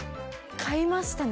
買いましたね。